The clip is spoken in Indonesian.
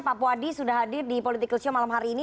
pak puadi sudah hadir di political show malam hatta